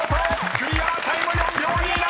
クリアタイム４秒２７！］